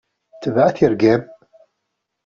Tbeɛ tirga-m.